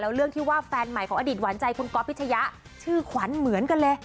แล้วเรื่องที่ว่าแฟนใหม่ของอดิษฐ์หวานใจคุณกบวิทยาชื่อขวัญเหมือนกันเลย